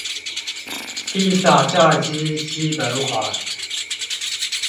披薩炸雞基本款